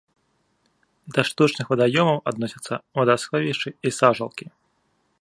Да штучных вадаёмаў адносяцца вадасховішчы і сажалкі.